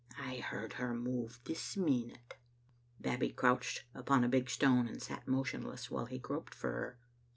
I heard her move this minute." Babbie crouched upon a big stone and sat motionless while he groped for her.